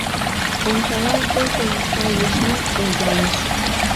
Ончалал колтымо сай ешна улдалеш.